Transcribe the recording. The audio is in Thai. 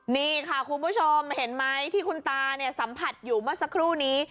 นี่ค่ะคุณผู้ชมเห็นไหมที่คุณตาเนี่ยสัมผัสอยู่เมื่อสักครู่นี้